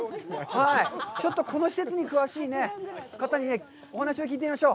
ちょっとこの施設に詳しい方にお話を聞いてみましょう。